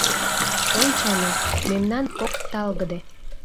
Ончылно — мемнан кок талгыде.